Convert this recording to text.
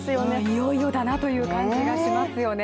いよいよだなという感じがしますよね。